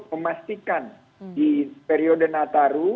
memastikan di periode nataru